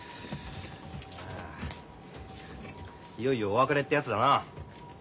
いよいよお別れってやつだな。